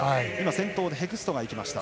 先頭ヘクストがいきました。